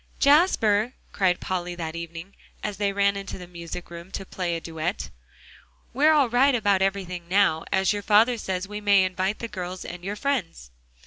"Jasper," cried Polly that evening, as they ran into the music room to play a duet, "we're all right about everything now, as your father says we may invite the girls and your friends."